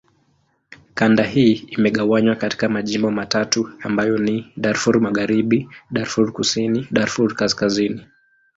Kanda hii imegawanywa katika majimbo matatu ambayo ni: Darfur Magharibi, Darfur Kusini, Darfur Kaskazini.